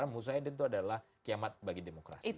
maksud saya itu adalah kiamat bagi demokrasi